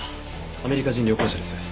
アメリカ人旅行者です。